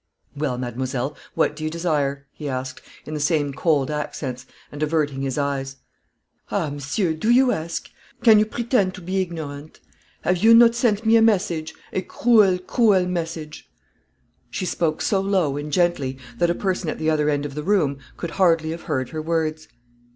"Well, mademoiselle, what do you desire?" he asked, in the same cold accents, and averting his eyes. "Ah, monsieur, do you ask? can you pretend to be ignorant? Have you not sent me a message, a cruel, cruel message?" She spoke so low and gently, that a person at the other end of the room could hardly have heard her words.